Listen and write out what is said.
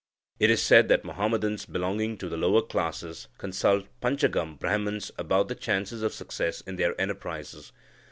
It is said that Muhammadans, belonging to the lower classes, consult panchangam Brahmans about the chances of success in their enterprises.